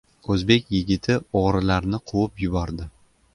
O‘zbek yigiti o‘g‘rilarni quvib yubordi